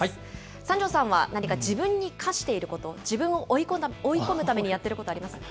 三條さんは、何か自分に課していること、自分を追い込むためにやっていることありますか？